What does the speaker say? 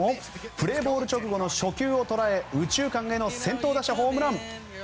プレーボール直後の初球を捉え右中間への先頭打者ホームラン。